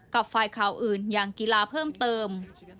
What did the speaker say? กับฝ่ายข่าวอื่นอย่างกีฬาเพิ่มเติม